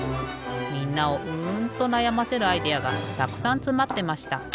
みんなをうんとなやませるアイデアがたくさんつまってました。